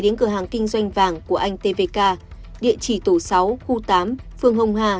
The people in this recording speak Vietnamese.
đến cửa hàng kinh doanh vàng của anh tvk địa chỉ tổ sáu khu tám phường hồng hà